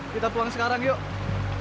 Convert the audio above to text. kita tuang sekarang yuk